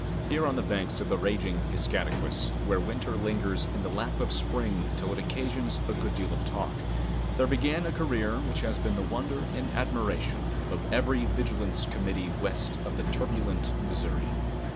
Here on the banks of the raging Piscataquis, where winter lingers in the lap of spring till it occasions a good deal of talk, there began a career which has been the wonder and admiration of every vigilance committee west of the turbulent Missouri.